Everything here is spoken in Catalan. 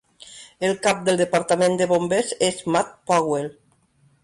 El cap del departament de bombers és Matt Powell.